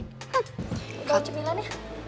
gak mau cemilan ya